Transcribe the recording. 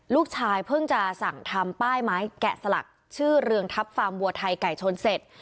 ลูกชายเพิ่งจะสั่งทำป้ายไม้แกะสลักชื่อเรืองทัพฟาร์มวัวไทยไก่ชนเสร็จ